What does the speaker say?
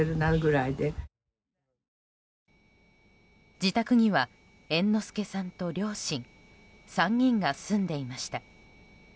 自宅には猿之助さんと両親３人が住んでいました。